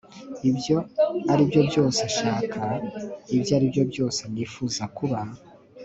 ibyo aribyo byose nshaka. ibyo aribyo byose nifuza kuba